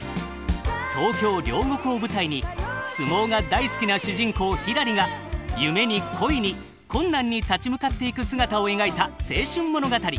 東京・両国を舞台に相撲が大好きな主人公ひらりが夢に恋に困難に立ち向かっていく姿を描いた青春物語！